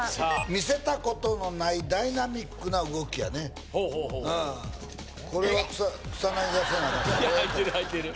「見せたことのない」「ダイナミックな動き」聞いてる？